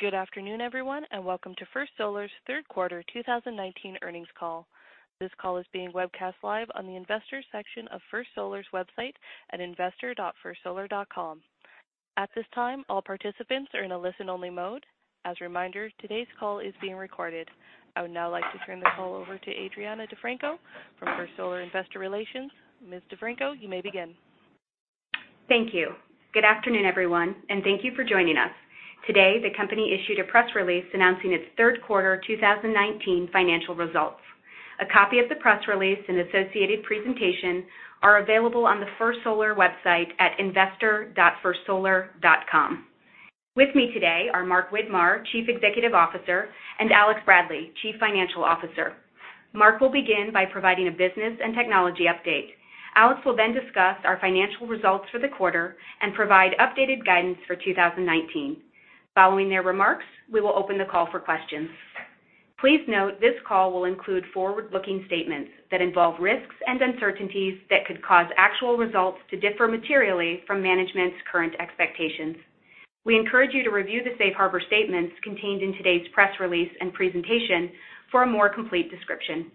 Good afternoon, everyone, and welcome to First Solar's third quarter 2019 earnings call. This call is being webcast live on the Investors section of First Solar's website at investor.firstsolar.com. At this time, all participants are in a listen-only mode. As a reminder, today's call is being recorded. I would now like to turn the call over to Adrianna DeFrisco from First Solar Investor Relations. Ms. DeFrisco, you may begin. Thank you. Good afternoon, everyone, and thank you for joining us. Today, the company issued a press release announcing its third quarter 2019 financial results. A copy of the press release and associated presentation are available on the First Solar website at investor.firstsolar.com. With me today are Mark Widmar, Chief Executive Officer, and Alex Bradley, Chief Financial Officer. Mark will begin by providing a business and technology update. Alex will discuss our financial results for the quarter and provide updated guidance for 2019. Following their remarks, we will open the call for questions. Please note this call will include forward-looking statements that involve risks and uncertainties that could cause actual results to differ materially from management's current expectations. We encourage you to review the safe harbor statements contained in today's press release and presentation for a more complete description.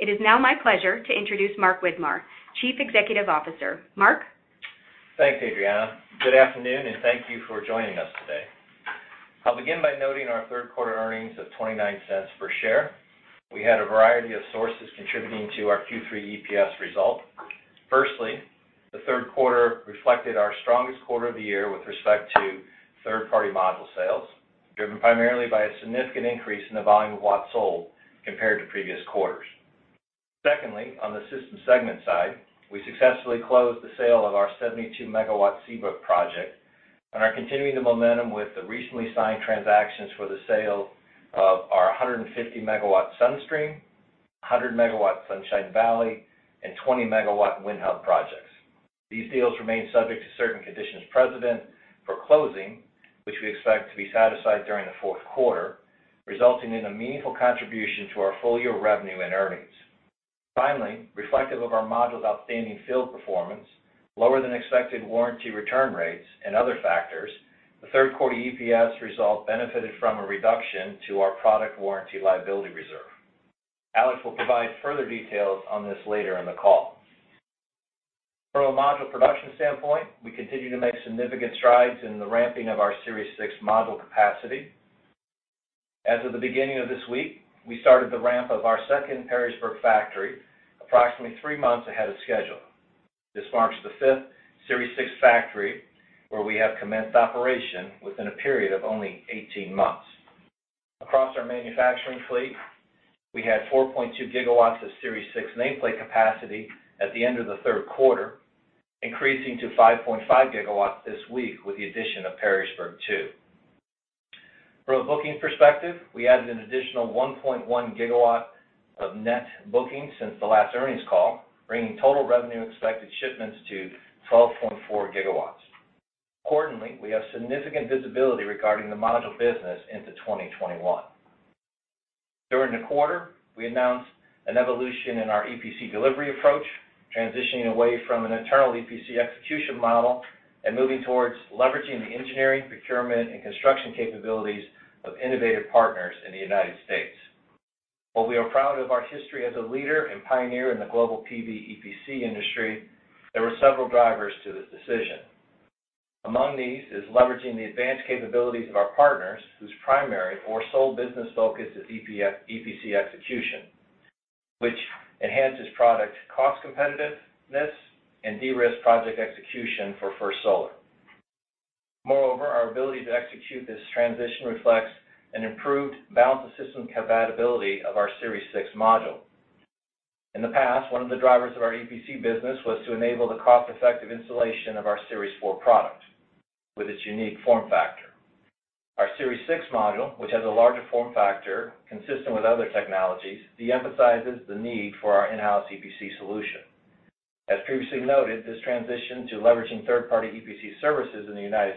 It is now my pleasure to introduce Mark Widmar, Chief Executive Officer. Mark? Thanks, Adrianna. Good afternoon, and thank you for joining us today. I'll begin by noting our third quarter earnings of $0.29 per share. We had a variety of sources contributing to our Q3 EPS result. Firstly, the third quarter reflected our strongest quarter of the year with respect to third-party module sales, driven primarily by a significant increase in the volume of watts sold compared to previous quarters. Secondly, on the systems segment side, we successfully closed the sale of our 72-megawatt Seabrook project and are continuing the momentum with the recently signed transactions for the sale of our 150-megawatt Sun Streams, 100-megawatt Sunshine Valley, and 20-megawatt Windhub projects. These deals remain subject to certain conditions precedent for closing, which we expect to be satisfied during the fourth quarter, resulting in a meaningful contribution to our full-year revenue and earnings. Finally, reflective of our modules' outstanding field performance, lower-than-expected warranty return rates, and other factors, the third-quarter EPS result benefited from a reduction to our product warranty liability reserve. Alex will provide further details on this later in the call. From a module production standpoint, we continue to make significant strides in the ramping of our Series 6 module capacity. As of the beginning of this week, we started the ramp of our second Perrysburg factory approximately three months ahead of schedule. This marks the fifth Series 6 factory where we have commenced operation within a period of only 18 months. Across our manufacturing fleet, we had 4.2 gigawatts of Series 6 nameplate capacity at the end of the third quarter, increasing to 5.5 gigawatts this week with the addition of Perrysburg 2. From a booking perspective, we added an additional 1.1 gigawatts of net bookings since the last earnings call, bringing total revenue-expected shipments to 12.4 gigawatts. Accordingly, we have significant visibility regarding the module business into 2021. During the quarter, we announced an evolution in our EPC delivery approach, transitioning away from an internal EPC execution model and moving towards leveraging the engineering, procurement, and construction capabilities of innovative partners in the United States. While we are proud of our history as a leader and pioneer in the global PV EPC industry, there were several drivers to this decision. Among these is leveraging the advanced capabilities of our partners, whose primary or sole business focus is EPC execution, which enhances product cost-competitiveness and de-risks project execution for First Solar. Moreover, our ability to execute this transition reflects an improved balance of system compatibility of our Series 6 module. In the past, one of the drivers of our EPC business was to enable the cost-effective installation of our Series 4 product with its unique form factor. Our Series 6 module, which has a larger form factor consistent with other technologies, de-emphasizes the need for our in-house EPC solution. As previously noted, this transition to leveraging third-party EPC services in the U.S.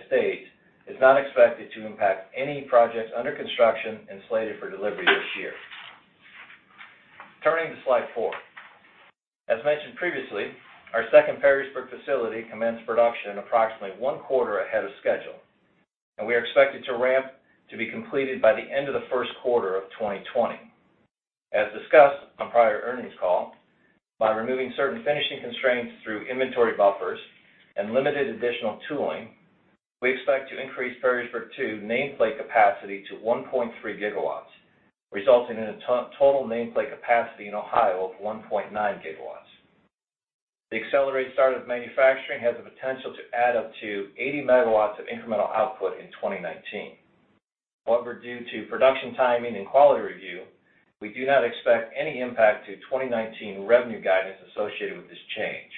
is not expected to impact any projects under construction and slated for delivery this year. Turning to slide four. As mentioned previously, our second Perrysburg facility commenced production approximately one quarter ahead of schedule, and we are expected to ramp to be completed by the end of the first quarter of 2020. As discussed on prior earnings calls, by removing certain finishing constraints through inventory buffers and limited additional tooling, we expect to increase Perrysburg 2 nameplate capacity to 1.3 gigawatts, resulting in a total nameplate capacity in Ohio of 1.9 gigawatts. The accelerated start of manufacturing has the potential to add up to 80 megawatts of incremental output in 2019. However, due to production timing and quality review, we do not expect any impact to 2019 revenue guidance associated with this change.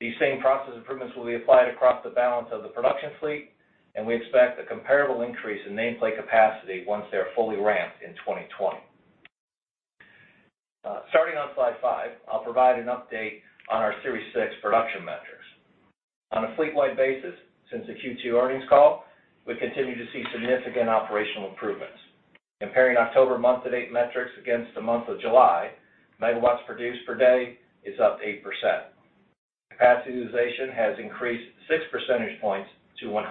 These same process improvements will be applied across the balance of the production fleet, and we expect a comparable increase in nameplate capacity once they are fully ramped in 2020. Starting on slide five, I'll provide an update on our Series 6 production metrics. On a fleet-wide basis since the Q2 earnings call, we continue to see significant operational improvements. Comparing October month-to-date metrics against the month of July, megawatts produced per day is up 8%. Capacity utilization has increased six percentage points to 100%.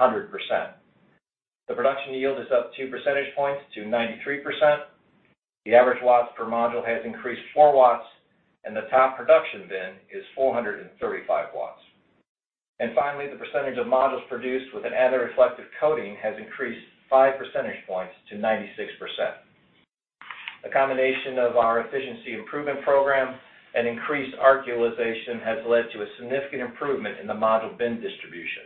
The production yield is up two percentage points to 93%. The average watts per module has increased four watts, and the top production bin is 435 watts. Finally, the percentage of modules produced with an anti-reflective coating has increased five percentage points to 96%. A combination of our efficiency improvement program and increased ARC utilization has led to a significant improvement in the module bin distribution.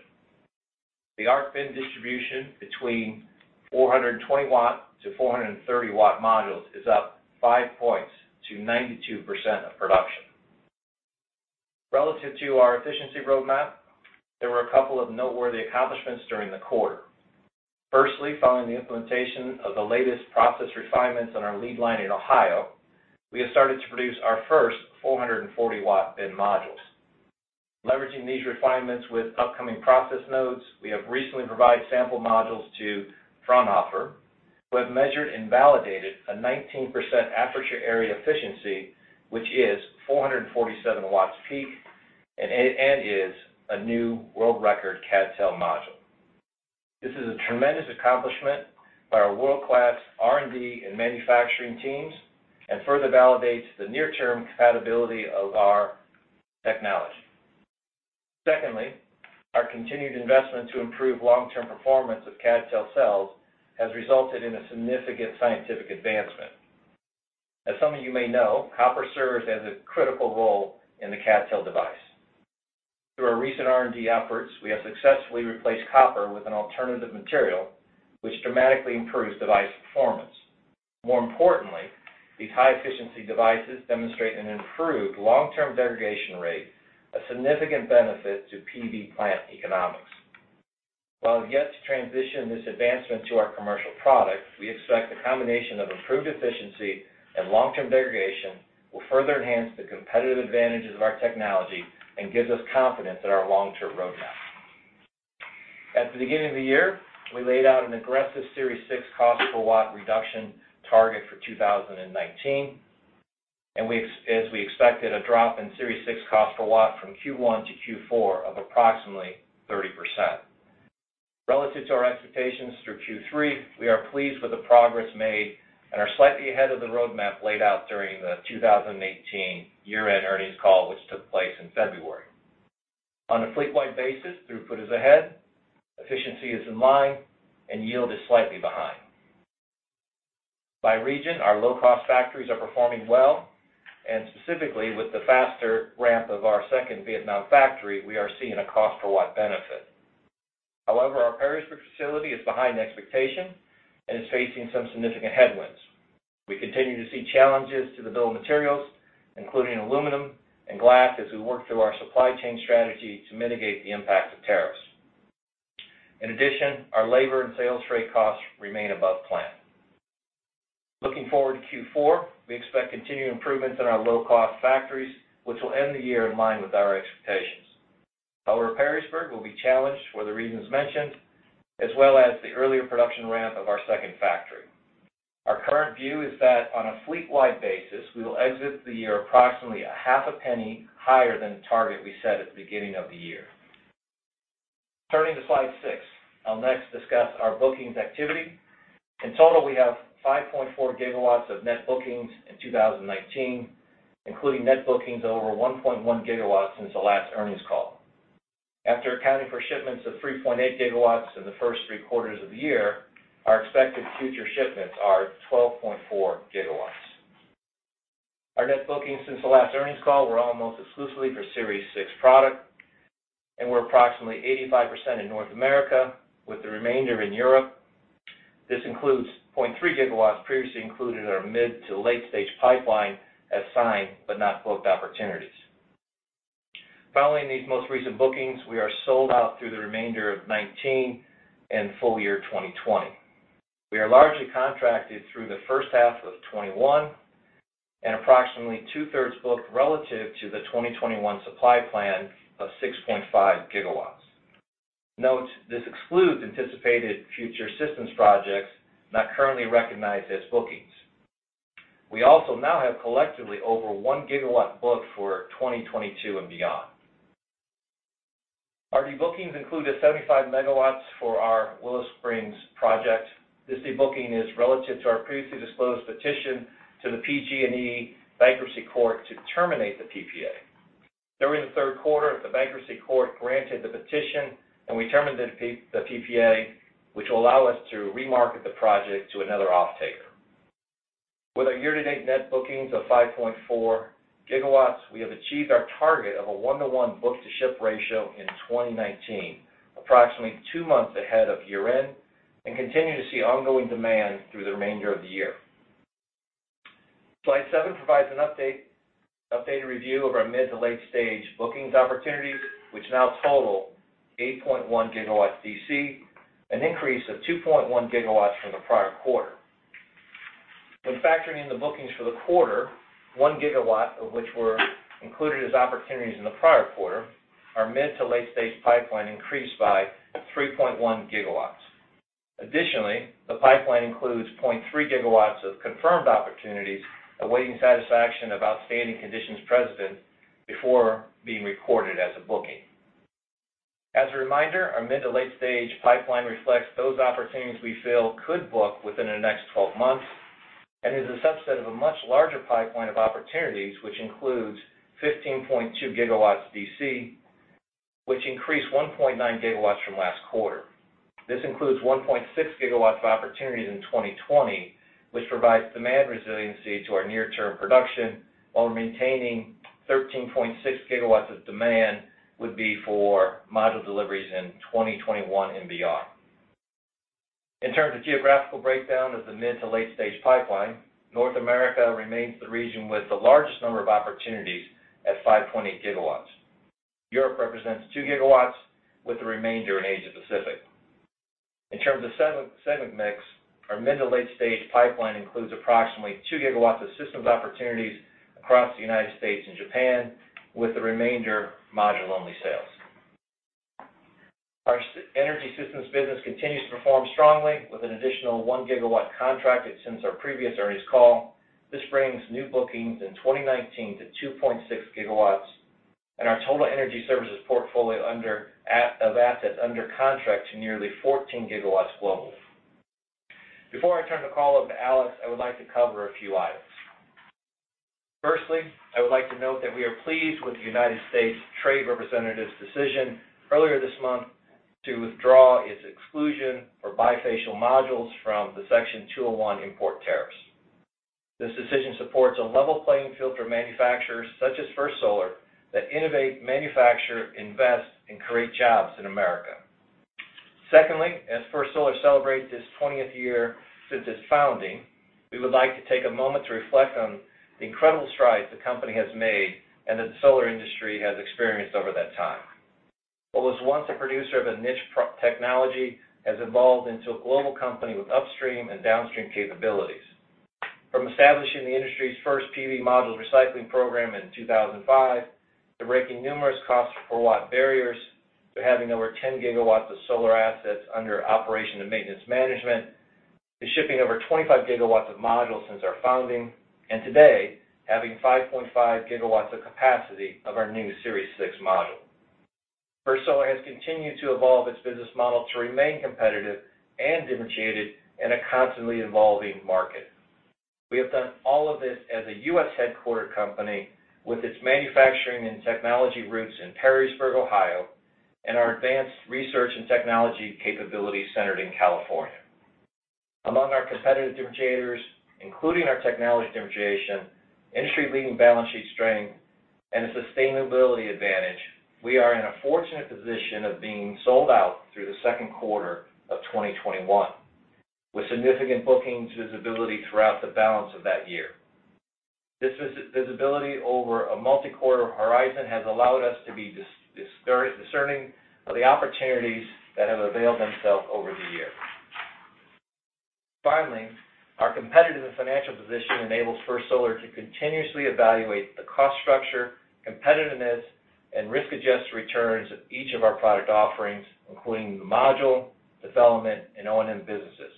The ARC bin distribution between 420-watt to 430-watt modules is up five points to 92% of production. Relative to our efficiency roadmap, there were a couple of noteworthy accomplishments during the quarter. Firstly, following the implementation of the latest process refinements on our lead line in Ohio, we have started to produce our first 440-watt bin modules. Leveraging these refinements with upcoming process nodes, we have recently provided sample modules to Fraunhofer, who have measured and validated a 19% aperture area efficiency, which is 447 watts peak and is a new world record CdTe module. This is a tremendous accomplishment by our world-class R&D and manufacturing teams and further validates the near-term compatibility of our technology. Secondly, our continued investment to improve long-term performance of CdTe cells has resulted in a significant scientific advancement. As some of you may know, copper serves as a critical role in the CdTe device. Through our recent R&D efforts, we have successfully replaced copper with an alternative material, which dramatically improves device performance. More importantly, these high-efficiency devices demonstrate an improved long-term degradation rate, a significant benefit to PV plant economics. While we have yet to transition this advancement to our commercial product, we expect the combination of improved efficiency and long-term degradation will further enhance the competitive advantages of our technology and gives us confidence in our long-term roadmap. At the beginning of the year, we laid out an aggressive Series 6 cost per watt reduction target for 2019. As we expected, a drop in Series 6 cost per watt from Q1 to Q4 of approximately 30%. Relative to our expectations through Q3, we are pleased with the progress made and are slightly ahead of the roadmap laid out during the 2018 year-end earnings call, which took place in February. On a fleet-wide basis, throughput is ahead, efficiency is in line, and yield is slightly behind. By region, our low-cost factories are performing well, and specifically with the faster ramp of our second Vietnam factory, we are seeing a cost per watt benefit. However, our Perrysburg facility is behind expectation and is facing some significant headwinds. We continue to see challenges to the bill of materials, including aluminum and glass, as we work through our supply chain strategy to mitigate the impact of tariffs. In addition, our labor and sales freight costs remain above plan. Looking forward to Q4, we expect continued improvements in our low-cost factories, which will end the year in line with our expectations. However, Perrysburg will be challenged for the reasons mentioned, as well as the earlier production ramp of our second factory. Our current view is that on a fleet-wide basis, we will exit the year approximately a half a penny higher than the target we set at the beginning of the year. Turning to slide six, I'll next discuss our bookings activity. In total, we have 5.4 GW of net bookings in 2019, including net bookings over 1.1 GW since the last earnings call. After accounting for shipments of 3.8 GW in the first three quarters of the year, our expected future shipments are 12.4 GW. Our net bookings since the last earnings call were almost exclusively for Series 6 product and were approximately 85% in North America, with the remainder in Europe. This includes 0.3 GW previously included in our mid- to late-stage pipeline as signed but not booked opportunities. In these most recent bookings, we are sold out through the remainder of 2019 and full year 2020. We are largely contracted through the first half of 2021 and approximately two-thirds booked relative to the 2021 supply plan of 6.5 gigawatts. Note, this excludes anticipated future systems projects not currently recognized as bookings. We also now have collectively over one gigawatt booked for 2022 and beyond. Our debookings include a 75 megawatts for our Willow Springs project. This debooking is relative to our previously disclosed petition to the PG&E bankruptcy court to terminate the PPA. During the third quarter, the bankruptcy court granted the petition and we terminated the PPA, which will allow us to re-market the project to another offtaker. With our year-to-date net bookings of 5.4 gigawatts, we have achieved our target of a one-to-one book-to-ship ratio in 2019, approximately two months ahead of year-end and continue to see ongoing demand through the remainder of the year. Slide seven provides an updated review of our mid- to late-stage bookings opportunities, which now total 8.1 gigawatts DC, an increase of 2.1 gigawatts from the prior quarter. When factoring in the bookings for the quarter, one gigawatt of which were included as opportunities in the prior quarter, our mid to late-stage pipeline increased by 3.1 gigawatts. Additionally, the pipeline includes 0.3 gigawatts of confirmed opportunities awaiting satisfaction of outstanding conditions precedent before being recorded as a booking. As a reminder, our mid to late-stage pipeline reflects those opportunities we feel could book within the next 12 months, and is a subset of a much larger pipeline of opportunities, which includes 15.2 gigawatts DC, which increased 1.9 gigawatts from last quarter. This includes 1.6 gigawatts of opportunities in 2020, which provides demand resiliency to our near-term production, while maintaining 13.6 gigawatts of demand would be for module deliveries in 2021 and beyond. In terms of geographical breakdown of the mid to late-stage pipeline, North America remains the region with the largest number of opportunities at 5.8 gigawatts. Europe represents two gigawatts, with the remainder in Asia-Pacific. In terms of segment mix, our mid to late-stage pipeline includes approximately two gigawatts of systems opportunities across the United States and Japan, with the remainder module-only sales. Our energy systems business continues to perform strongly with an additional one gigawatt contracted since our previous earnings call. This brings new bookings in 2019 to 2.6 gigawatts, and our total energy services portfolio of assets under contract to nearly 14 gigawatts global. Before I turn the call over to Alex, I would like to cover a few items. Firstly, I would like to note that we are pleased with the United States Trade Representative's decision earlier this month to withdraw its exclusion for bifacial modules from the Section 201 import tariffs. This decision supports a level playing field for manufacturers such as First Solar that innovate, manufacture, invest, and create jobs in America. Secondly, as First Solar celebrates its 20th year since its founding, we would like to take a moment to reflect on the incredible strides the company has made and that the solar industry has experienced over that time. What was once a producer of a niche technology has evolved into a global company with upstream and downstream capabilities. From establishing the industry's first PV module recycling program in 2005 to breaking numerous cost per watt barriers, to having over 10 gigawatts of solar assets under operation and maintenance management, to shipping over 25 gigawatts of modules since our founding, and today having 5.5 gigawatts of capacity of our new Series 6 module. First Solar has continued to evolve its business model to remain competitive and differentiated in a constantly evolving market. We have done all of this as a U.S.-headquartered company with its manufacturing and technology roots in Perrysburg, Ohio, and our advanced research and technology capabilities centered in California. Among our competitive differentiators, including our technology differentiation, industry-leading balance sheet strength, and a sustainability advantage, we are in a fortunate position of being sold out through the second quarter of 2021, with significant bookings visibility throughout the balance of that year. This visibility over a multi-quarter horizon has allowed us to be discerning of the opportunities that have availed themselves over the year. Finally, our competitive and financial position enables First Solar to continuously evaluate the cost structure, competitiveness, and risk-adjusted returns of each of our product offerings, including the module, development, and O&M businesses.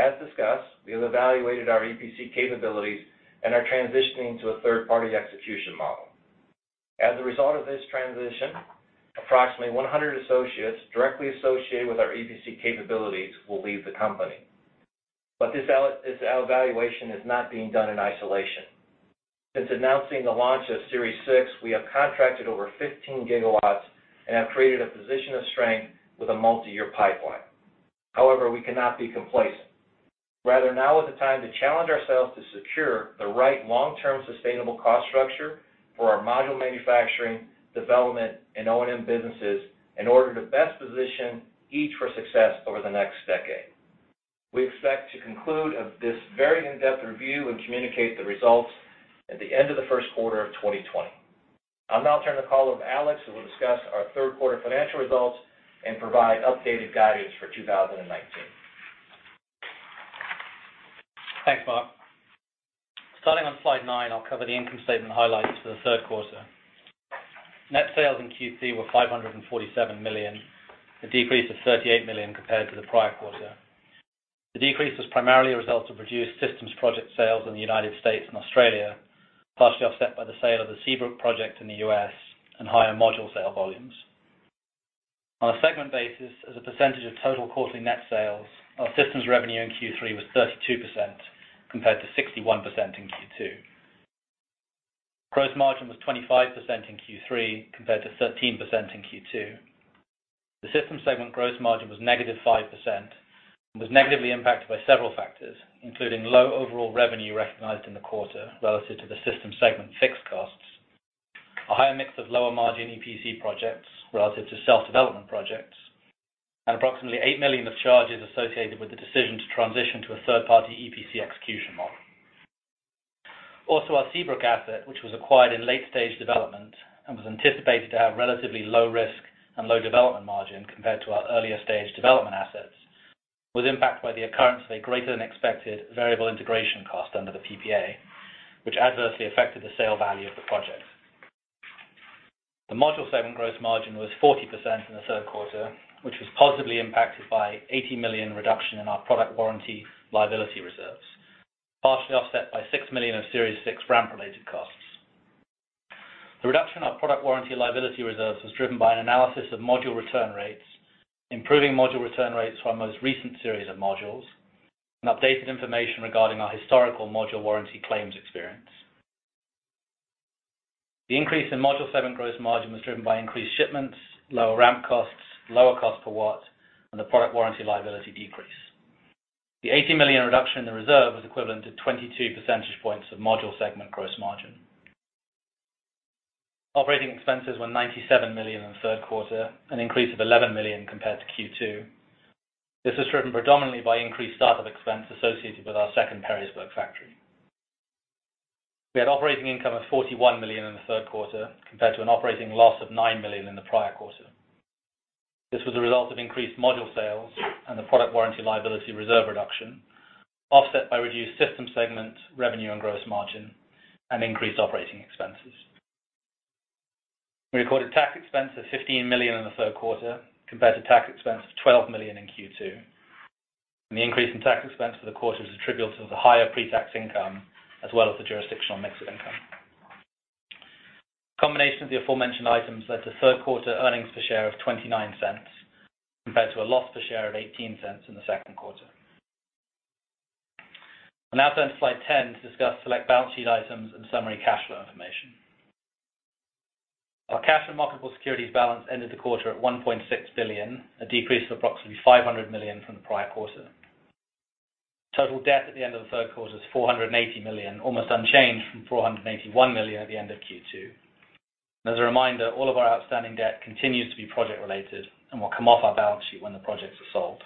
As discussed, we have evaluated our EPC capabilities and are transitioning to a third-party execution model. As a result of this transition, approximately 100 associates directly associated with our EPC capabilities will leave the company. This evaluation is not being done in isolation. Since announcing the launch of Series 6, we have contracted over 15 gigawatts and have created a position of strength with a multi-year pipeline. However, we cannot be complacent. Rather, now is the time to challenge ourselves to secure the right long-term sustainable cost structure for our module manufacturing, development, and O&M businesses in order to best position each for success over the next decade. We expect to conclude of this very in-depth review and communicate the results at the end of the first quarter of 2020. I'll now turn the call over to Alex, who will discuss our third quarter financial results and provide updated guidance for 2019. Thanks, Mark. Starting on slide nine, I'll cover the income statement highlights for the third quarter. Net sales in Q3 were $547 million, a decrease of $38 million compared to the prior quarter. The decrease was primarily a result of reduced systems project sales in the U.S. and Australia, partially offset by the sale of the Seabrook project in the U.S. and higher module sale volumes. On a segment basis as a percentage of total quarterly net sales, our systems revenue in Q3 was 32% compared to 61% in Q2. Gross margin was 25% in Q3 compared to 13% in Q2. The systems segment gross margin was -5% and was negatively impacted by several factors, including low overall revenue recognized in the quarter relative to the systems segment fixed costs, a higher mix of lower margin EPC projects relative to self-development projects, and approximately $8 million of charges associated with the decision to transition to a third-party EPC execution model. Our Seabrook asset, which was acquired in late-stage development and was anticipated to have relatively low risk and low development margin compared to our earlier-stage development assets, was impacted by the occurrence of a greater-than-expected variable integration cost under the PPA, which adversely affected the sale value of the project. The module segment gross margin was 40% in the third quarter, which was positively impacted by $80 million reduction in our product warranty liability reserves, partially offset by $6 million of Series 6 ramp-related costs. The reduction of product warranty liability reserves was driven by an analysis of module return rates, improving module return rates for our most recent series of modules, and updated information regarding our historical module warranty claims experience. The increase in Module Segment gross margin was driven by increased shipments, lower ramp costs, lower cost per watt, and the product warranty liability decrease. The $80 million reduction in the reserve was equivalent to 22 percentage points of Module Segment gross margin. Operating expenses were $197 million in the third quarter, an increase of $11 million compared to Q2. This was driven predominantly by increased startup expense associated with our second Perrysburg factory. We had operating income of $41 million in the third quarter, compared to an operating loss of $9 million in the prior quarter. This was a result of increased module sales and the product warranty liability reserve reduction, offset by reduced Systems Segment revenue and gross margin, increased operating expenses. We recorded tax expense of $15 million in the third quarter, compared to tax expense of $12 million in Q2. The increase in tax expense for the quarter is attributable to the higher pre-tax income, as well as the jurisdictional mix of income. A combination of the aforementioned items led to third quarter earnings per share of $0.29, compared to a loss per share of $0.18 in the second quarter. We'll now turn to slide 10 to discuss select balance sheet items and summary cash flow information. Our cash and marketable securities balance ended the quarter at $1.6 billion, a decrease of approximately $500 million from the prior quarter. Total debt at the end of the third quarter is $480 million, almost unchanged from $481 million at the end of Q2. As a reminder, all of our outstanding debt continues to be project-related and will come off our balance sheet when the projects are sold.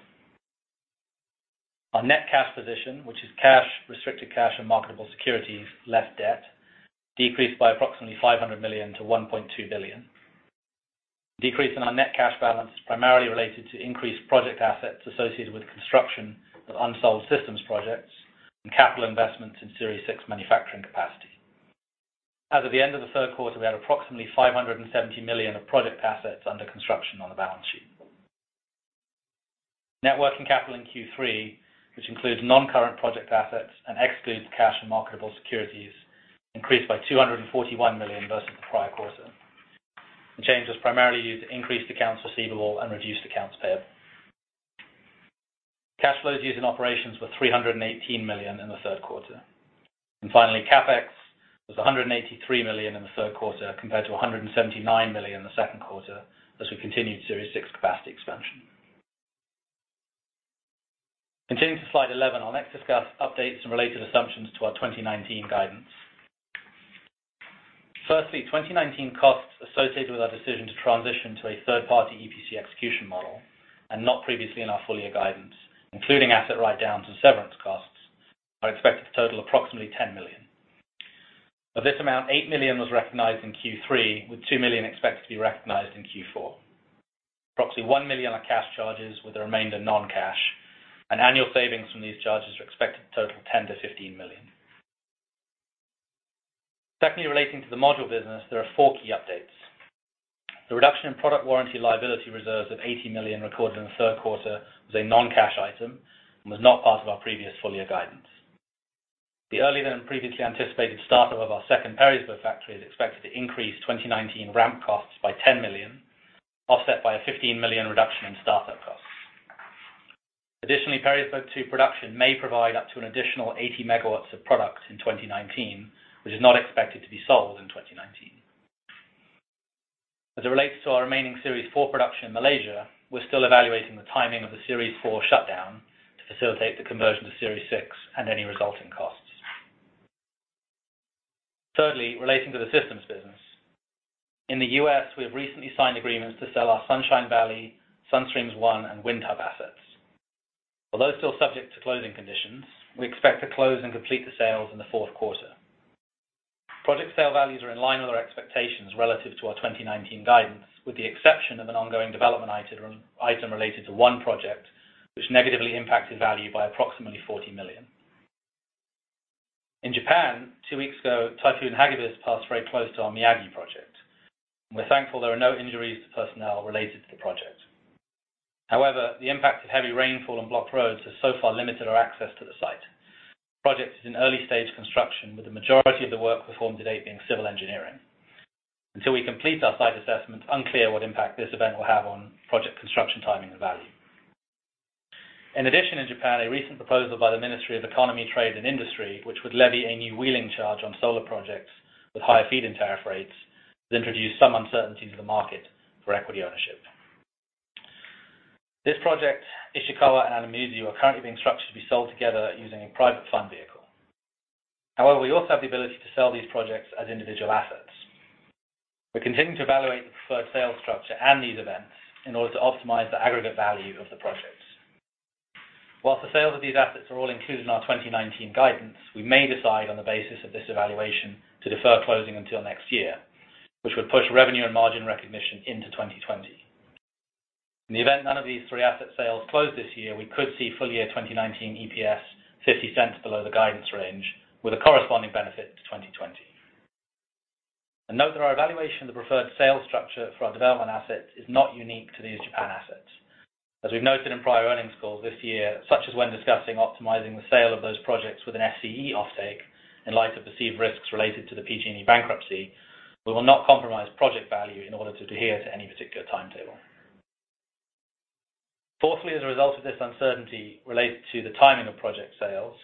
Our net cash position, which is cash, restricted cash, and marketable securities, less debt, decreased by approximately $500 million to $1.2 billion. Decrease in our net cash balance is primarily related to increased project assets associated with the construction of unsold systems projects and capital investments in Series 6 manufacturing capacity. As of the end of the third quarter, we had approximately $570 million of project assets under construction on the balance sheet. Net working capital in Q3, which includes non-current project assets and excludes cash and marketable securities, increased by $241 million versus the prior quarter. The change was primarily due to increased accounts receivable and reduced accounts payable. Cash flows used in operations were $318 million in the third quarter. Finally, CapEx was $183 million in the third quarter compared to $179 million in the second quarter as we continued Series 6 capacity expansion. Continuing to slide 11, I'll next discuss updates and related assumptions to our 2019 guidance. Firstly, 2019 costs associated with our decision to transition to a third-party EPC execution model and not previously in our full-year guidance, including asset write-downs and severance costs, are expected to total approximately $10 million. Of this amount, $8 million was recognized in Q3, with $2 million expected to be recognized in Q4. Approximately $1 million are cash charges, with the remainder non-cash, and annual savings from these charges are expected to total $10 million-$15 million. Secondly, relating to the module business, there are four key updates. The reduction in product warranty liability reserves of $80 million recorded in the third quarter was a non-cash item and was not part of our previous full-year guidance. The earlier-than-previously anticipated startup of our second Perrysburg factory is expected to increase 2019 ramp costs by $10 million, offset by a $15 million reduction in start-up costs. Additionally, Perrysburg 2 production may provide up to an additional 80 megawatts of product in 2019, which is not expected to be sold in 2019. As it relates to our remaining Series 4 production in Malaysia, we're still evaluating the timing of the Series 4 shutdown to facilitate the conversion to Series 6 and any resulting costs. Thirdly, relating to the systems business. In the U.S., we have recently signed agreements to sell our Sunshine Valley, Sun Streams 1, and Windhub assets. Although still subject to closing conditions, we expect to close and complete the sales in the fourth quarter. Project sale values are in line with our expectations relative to our 2019 guidance, with the exception of an ongoing development item related to one project, which negatively impacted value by approximately $40 million. In Japan, two weeks ago, Typhoon Hagibis passed very close to our Miyagi project. We're thankful there were no injuries to personnel related to the project. However, the impact of heavy rainfall and blocked roads has so far limited our access to the site. The project is in early-stage construction, with the majority of the work performed to date being civil engineering. Until we complete our site assessment, it's unclear what impact this event will have on project construction timing and value. In addition, in Japan, a recent proposal by the Ministry of Economy, Trade, and Industry, which would levy a new wheeling charge on solar projects with higher feed-in tariff rates, has introduced some uncertainty to the market for equity ownership. This project, Ishikawa and Anamizu, are currently being structured to be sold together using a private fund vehicle. However, we also have the ability to sell these projects as individual assets. We're continuing to evaluate the preferred sale structure and these events in order to optimize the aggregate value of the projects. Whilst the sales of these assets are all included in our 2019 guidance, we may decide on the basis of this evaluation to defer closing until next year, which would push revenue and margin recognition into 2020. In the event none of these three asset sales close this year, we could see full year 2019 EPS $0.50 below the guidance range, with a corresponding benefit to 2020. Note that our evaluation of the preferred sales structure for our development assets is not unique to these Japan assets. As we've noted in prior earnings calls this year, such as when discussing optimizing the sale of those projects with an SCE offtake, in light of perceived risks related to the PG&E bankruptcy, we will not compromise project value in order to adhere to any particular timetable. Fourthly, as a result of this uncertainty related to the timing of project sales,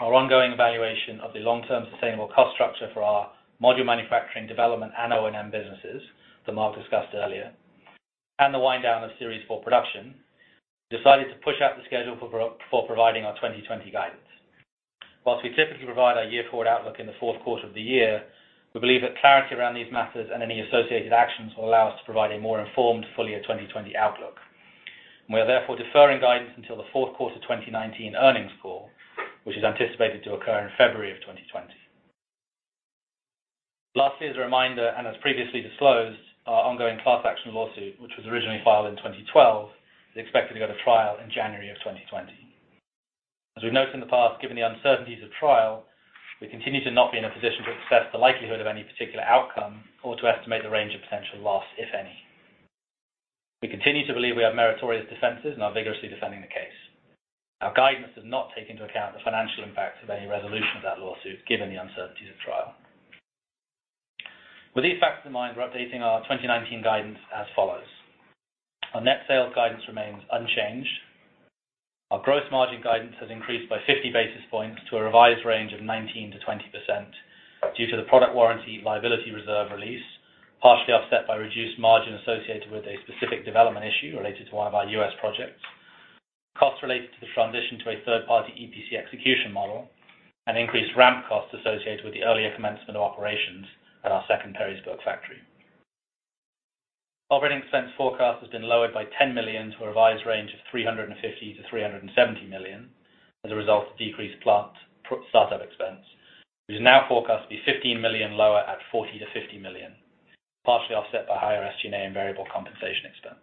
our ongoing evaluation of the long-term sustainable cost structure for our module manufacturing development and O&M businesses that Mark discussed earlier, and the wind down of Series 4 production, we decided to push out the schedule for providing our 2020 guidance. Whilst we typically provide our year forward outlook in the fourth quarter of the year, we believe that clarity around these matters and any associated actions will allow us to provide a more informed full year 2020 outlook. We are therefore deferring guidance until the fourth quarter 2019 earnings call, which is anticipated to occur in February of 2020. Lastly, as a reminder, and as previously disclosed, our ongoing class action lawsuit, which was originally filed in 2012, is expected to go to trial in January of 2020. As we've noted in the past, given the uncertainties of trial, we continue to not be in a position to assess the likelihood of any particular outcome or to estimate the range of potential loss, if any. We continue to believe we have meritorious defenses and are vigorously defending the case. Our guidance does not take into account the financial impact of any resolution of that lawsuit, given the uncertainties of trial. With these facts in mind, we're updating our 2019 guidance as follows. Our net sales guidance remains unchanged. Our gross margin guidance has increased by 50 basis points to a revised range of 19%-20% due to the product warranty liability reserve release, partially offset by reduced margin associated with a specific development issue related to one of our U.S. projects. Costs related to the transition to a third-party EPC execution model and increased ramp costs associated with the earlier commencement of operations at our second Perrysburg factory. Operating expense forecast has been lowered by $10 million to a revised range of $350 million to $370 million as a result of decreased start-up expense, which is now forecast to be $15 million lower at $40 million to $50 million, partially offset by higher SG&A and variable compensation expense.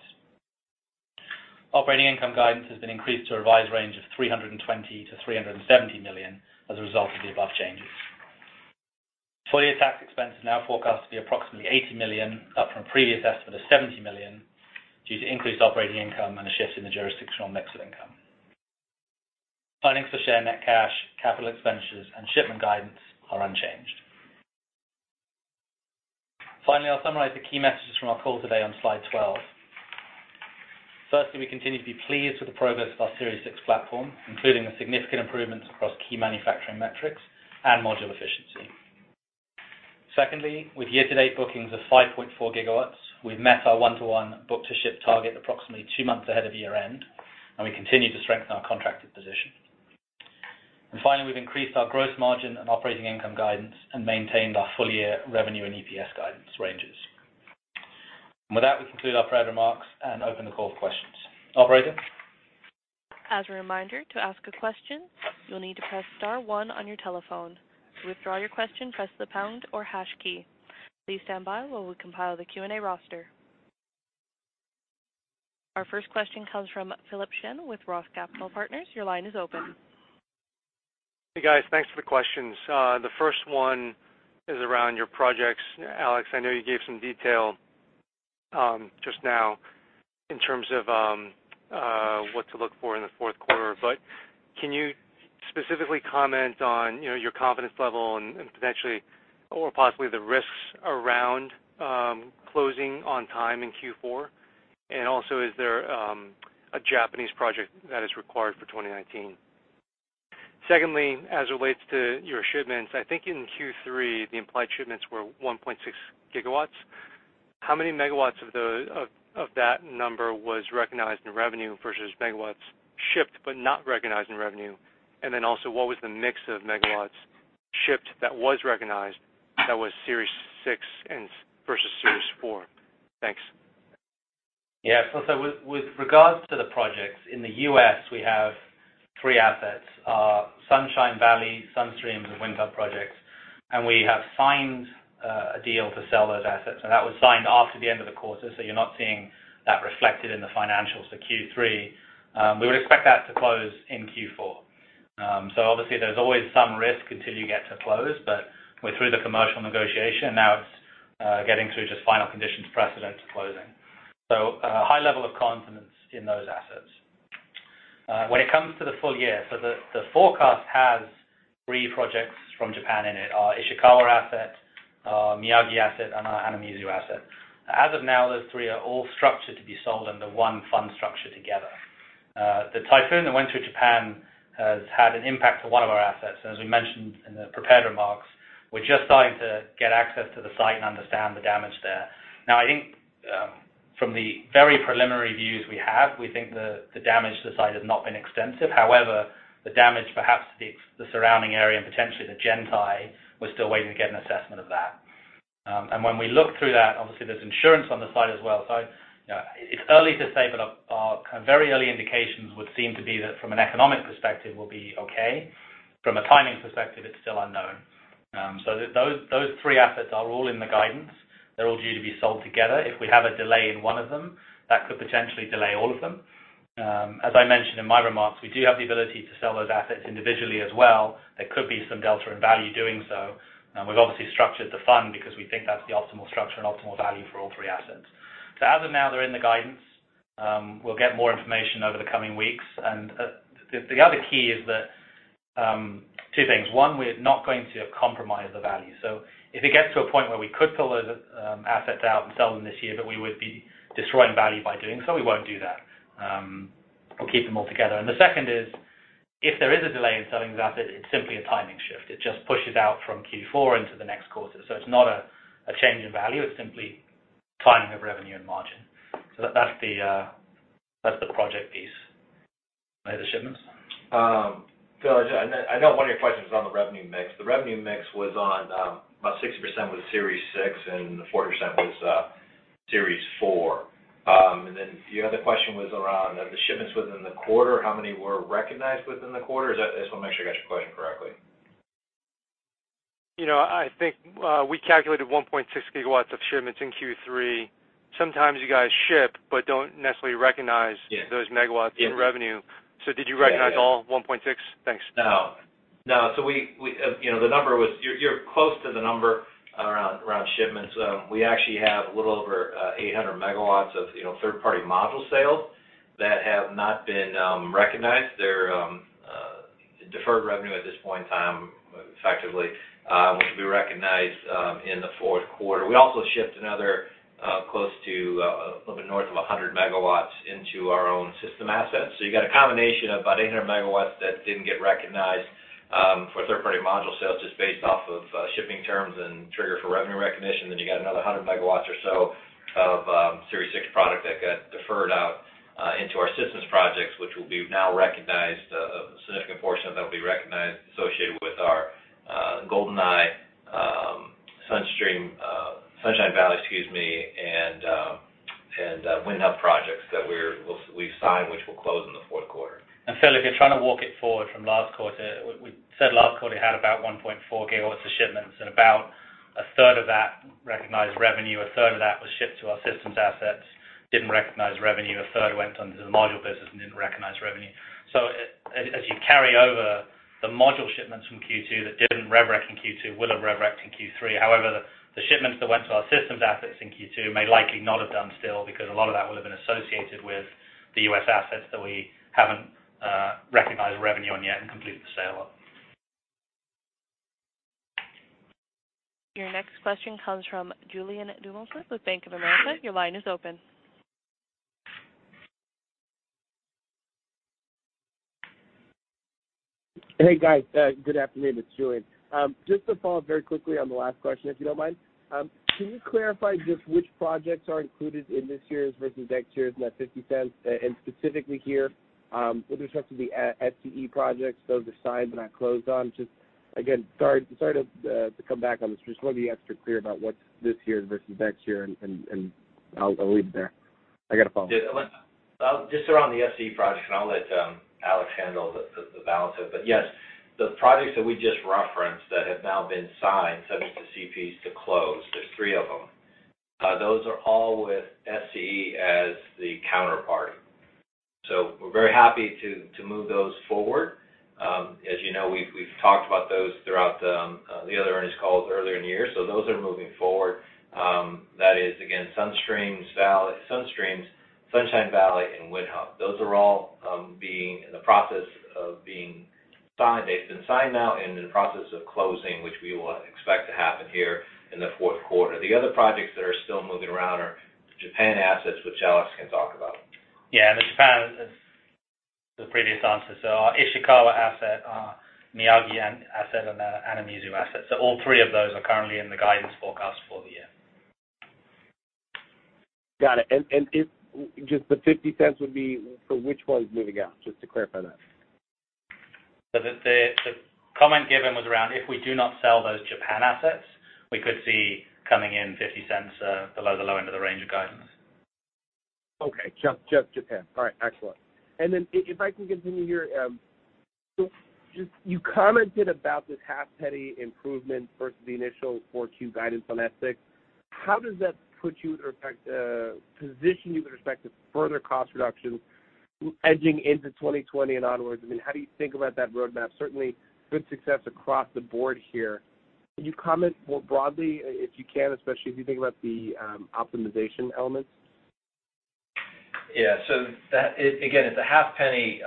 Operating income guidance has been increased to a revised range of $320 million to $370 million as a result of the above changes. Full year tax expense is now forecast to be approximately $80 million, up from a previous estimate of $70 million due to increased operating income and a shift in the jurisdictional mix of income. Plannings for share net cash, capital expenditures, and shipment guidance are unchanged. Finally, I'll summarize the key messages from our call today on slide 12. Firstly, we continue to be pleased with the progress of our Series 6 platform, including the significant improvements across key manufacturing metrics and module efficiency. Secondly, with year-to-date bookings of 5.4 gigawatts, we've met our 1-to-1 book to ship target approximately two months ahead of year-end, and we continue to strengthen our contracted position. Finally, we've increased our gross margin and operating income guidance and maintained our full year revenue and EPS guidance ranges. With that, we conclude our prepared remarks and open the call for questions. Operator? As a reminder, to ask a question, you'll need to press star 1 on your telephone. To withdraw your question, press the pound or hash key. Please stand by while we compile the Q&A roster. Our first question comes from Philip Shen with Roth Capital Partners. Your line is open. Hey, guys. Thanks for the questions. The first one is around your projects. Alex, I know you gave some detail just now in terms of what to look for in the 4th quarter, but can you specifically comment on your confidence level and potentially, or possibly the risks around closing on time in Q4? Also, is there a Japanese project that is required for 2019? Secondly, as it relates to your shipments, I think in Q3, the implied shipments were 1.6 GW. How many megawatts of that number was recognized in revenue versus megawatts shipped but not recognized in revenue? Also, what was the mix of megawatts shipped that was recognized that was Series 6 versus Series 4? Thanks. With regards to the projects, in the U.S., we have three assets, Sunshine Valley, Sun Streams, and Windhub projects. We have signed a deal to sell those assets. That was signed after the end of the quarter. You're not seeing that reflected in the financials for Q3. We would expect that to close in Q4. Obviously there's always some risk until you get to close. We're through the commercial negotiation, now it's getting through just final conditions precedent to closing. A high level of confidence in those assets. When it comes to the full year, the forecast has three projects from Japan in it, our Ishikawa asset, Miyagi asset and our Anamizu asset. As of now, those three are all structured to be sold under one fund structure together. The typhoon that went through Japan has had an impact to one of our assets, and as we mentioned in the prepared remarks, we're just starting to get access to the site and understand the damage there. Now I think from the very preliminary views we have, we think the damage to the site has not been extensive. However, the damage perhaps to the surrounding area and potentially the gentai, we're still waiting to get an assessment of that. When we look through that, obviously there's insurance on the side as well. It's early to say, but our very early indications would seem to be that from an economic perspective, we'll be okay. From a timing perspective, it's still unknown. Those three assets are all in the guidance. They're all due to be sold together. If we have a delay in one of them, that could potentially delay all of them. As I mentioned in my remarks, we do have the ability to sell those assets individually as well. There could be some delta in value doing so. We've obviously structured the fund because we think that's the optimal structure and optimal value for all three assets. As of now, they're in the guidance. We'll get more information over the coming weeks. The other key is that two things. One, we're not going to compromise the value. If it gets to a point where we could pull those assets out and sell them this year, but we would be destroying value by doing so, we won't do that. We'll keep them all together. The second is, if there is a delay in selling the asset, it's simply a timing shift. It just pushes out from Q4 into the next quarter. It's not a change in value. It's simply timing of revenue and margin. That's the project piece. Any other shipments? Phil, I know one of your questions was on the revenue mix. The revenue mix was on about 60% was Series 6 and 40% was Series 4. The other question was around the shipments within the quarter, how many were recognized within the quarter? I just want to make sure I got your question correctly. I think we calculated 1.6 gigawatts of shipments in Q3. Sometimes you guys ship, but don't necessarily recognize. Yeah those megawatts in revenue. Yeah. Did you recognize all 1.6? Thanks. No. You're close to the number around shipments. We actually have a little over 800 megawatts of third-party module sales that have not been recognized. They're deferred revenue at this point in time, effectively, which will be recognized in the fourth quarter. We also shipped another close to a little bit north of 100 megawatts into our own system assets. You've got a combination of about 800 megawatts that didn't get recognized for third-party module sales just based off of shipping terms and trigger for revenue recognition. You got another 100 megawatts or so of Series 6 product that got deferred out into our systems projects, which will be now recognized. A significant portion of that will be recognized associated with our Golden Eye, Sunshine Valley, and Windhub projects that we've signed, which will close in the fourth quarter. Phil, if you're trying to walk it forward from last quarter, we said last quarter had about 1.4 gigawatts of shipments, and about a third of that recognized revenue, a third of that was shipped to our systems assets, didn't recognize revenue, a third went on to the module business and didn't recognize revenue. As you carry over the module shipments from Q2 that didn't rev rec in Q2, will have rev rec'd in Q3. However, the shipments that went to our systems assets in Q2 may likely not have done still, because a lot of that would have been associated with the U.S. assets that we haven't recognized revenue on yet and completed the sale of. Your next question comes from Julien Dumoulin-Smith with Bank of America. Your line is open. Hey, guys. Good afternoon. It's Julien. Just to follow up very quickly on the last question, if you don't mind. Can you clarify just which projects are included in this year's versus next year's net $0.50? Specifically here, with respect to the SCE projects, those are signed but not closed on. Just again, sorry to come back on this. Just want to be extra clear about what's this year versus next year. I'll leave it there. I got to follow up. Just around the SCE project, I'll let Alex handle the balance of it. Yes, the projects that we just referenced that have now been signed, subject to CPs to close, there's three of them. Those are all with SCE as the counterpart. We're very happy to move those forward. As you know, we've talked about those throughout the other earnings calls earlier in the year. Those are moving forward. That is, again, Sun Streams, Sunshine Valley, and Windhub. Those are all in the process of being signed. They've been signed now and in the process of closing, which we will expect to happen here in the fourth quarter. The other projects that are still moving around are Japan assets, which Alex can talk about. Yeah, the Japan, the previous answer. Our Ishikawa asset, our Miyagi asset, and our Anamizu asset. All three of those are currently in the guidance forecast for the year. Got it. Just the $0.50 would be for which one is moving out? Just to clarify that. The comment given was around if we do not sell those Japan assets, we could see coming in $0.50 below the low end of the range of guidance. Okay. Just Japan. All right, excellent. If I can continue here. You commented about this $0.005 improvement versus the initial 4Q guidance on S6. How does that position you with respect to further cost reduction edging into 2020 and onwards? How do you think about that roadmap? Certainly good success across the board here. Can you comment more broadly, if you can, especially as you think about the optimization elements? Again, it's a half penny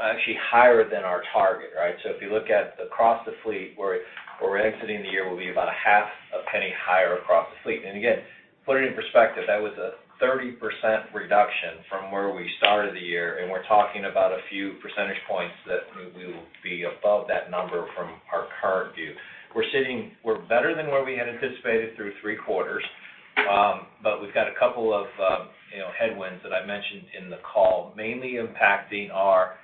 actually higher than our target, right? If you look at across the fleet, where we're exiting the year will be about a half a penny higher across the fleet. Again, put it in perspective, that was a 30% reduction from where we started the year, and we're talking about a few percentage points that we will be above that number from our current view. We're better than where we had anticipated through three quarters. We've got a couple of headwinds that I mentioned in the call, mainly impacting our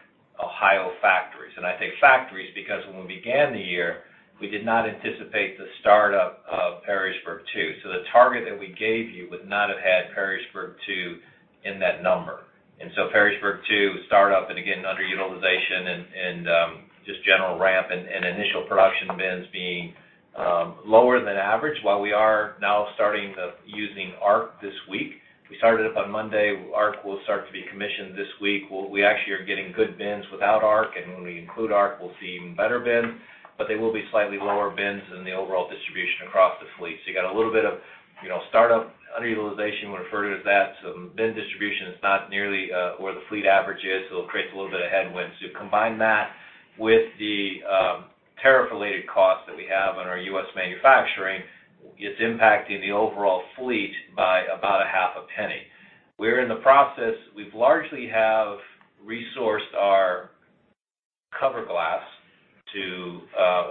Ohio factories. I say factories because when we began the year, we did not anticipate the startup of Perrysburg 2. The target that we gave you would not have had Perrysburg 2 in that number. Perrysburg 2 startup and again, underutilization and just general ramp and initial production bins being lower than average. While we are now starting using ARC this week. We started up on Monday. ARC will start to be commissioned this week. We actually are getting good bins without ARC, and when we include ARC, we'll see even better bins. They will be slightly lower bins than the overall distribution across the fleet. You got a little bit of startup underutilization, we refer to it as that. Bin distribution is not nearly where the fleet average is, so it creates a little bit of headwinds. Combine that with the tariff-related costs that we have on our U.S. manufacturing, it's impacting the overall fleet by about a half a penny. We're in the process, we've largely resourced our cover glass to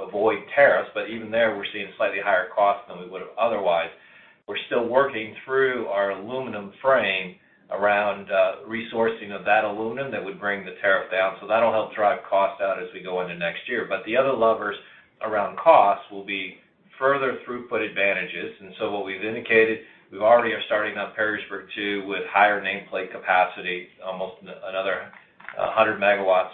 avoid tariffs, but even there, we're seeing slightly higher costs than we would have otherwise. We're still working through our aluminum frame around resourcing of that aluminum that would bring the tariff down. That'll help drive costs down as we go into next year. The other levers around costs will be further throughput advantages. What we've indicated, we already are starting up Perrysburg 2 with higher nameplate capacity, almost another 100 MW.